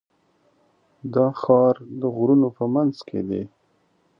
دا ښار د غرونو په منځ کې دی.